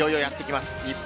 いよいよやってきます。